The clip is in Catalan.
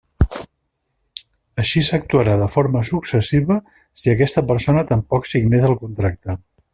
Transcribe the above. Així s'actuarà de forma successiva si aquesta persona tampoc signés el contracte.